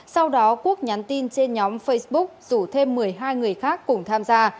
sau đó quốc nhắn tin trên nhóm facebook rủ thêm một mươi hai người khác cùng tham gia